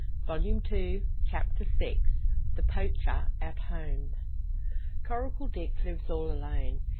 Volume Two, Chapter VI. THE POACHER AT HOME. Coracle Dick lives all alone.